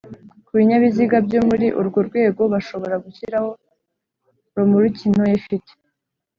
Ku binyabiziga byo muri urwo rwego bashobora gushyiraho romoruki ntoya ifite